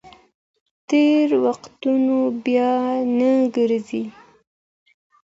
تېر وختونه بیا نه راګرځي.